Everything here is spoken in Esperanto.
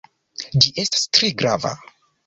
Ĝi estas tre grava.